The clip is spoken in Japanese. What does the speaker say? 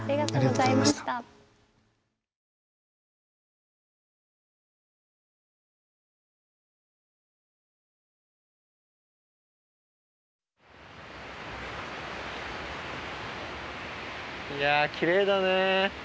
いやあきれいだねえ。